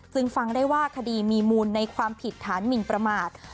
ฟังได้ว่าคดีมีมูลในความผิดฐานหมินประมาท